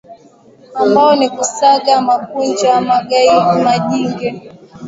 ambao ni Kusaga Makunja Magai Majinge